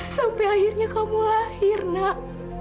sampai akhirnya kamu lahir nak